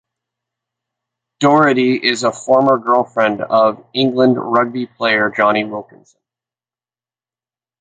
Dougherty is a former girlfriend of England rugby player Jonny Wilkinson.